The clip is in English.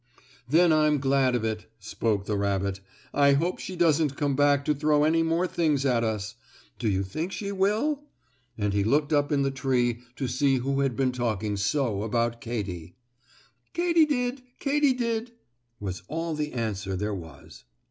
"Then I'm glad of it," spoke the rabbit. "I hope she doesn't come back to throw any more things at us. Do you think she will?" and he looked up in the tree to see who had been talking so about Katy. "Katy did! Katy did!" was all the answer there was.